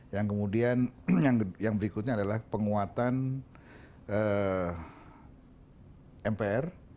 yang kemudian yang berikutnya adalah penguatan mpr